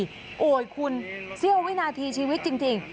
โหคุณซี่เอาวินาทีชีวิตจริง